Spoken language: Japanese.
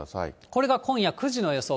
これが今夜９時の予想。